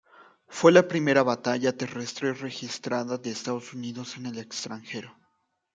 Fue la primera batalla terrestre registrada de Estados Unidos en el extranjero.